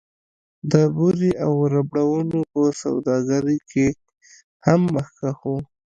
د بورې او ربړونو په سوداګرۍ کې هم مخکښ و